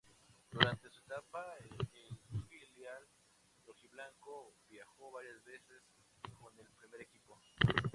Durante su etapa en el filial rojiblanco, viajó varias veces con el primer equipo.